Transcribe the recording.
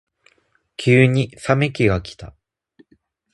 急に冷め期がきた。